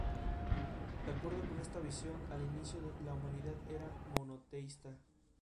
En el Libro de Reglas aparece el escudo de la hermandad en orfebrería plateada.